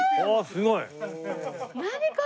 すごい。